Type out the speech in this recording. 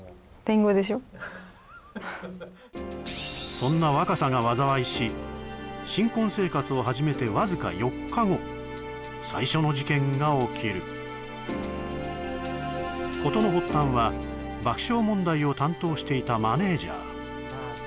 そんな若さが災いし新婚生活を始めてわずか４日後最初の事件が起きる事の発端は爆笑問題を担当していたマネージャー